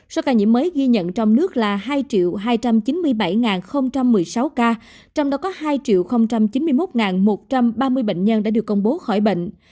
số ca nhiễm mới ghi nhận trong nước là hai hai trăm chín mươi bảy một mươi sáu ca trong đó có hai chín mươi một một trăm ba mươi bệnh nhân đã được công bố khỏi bệnh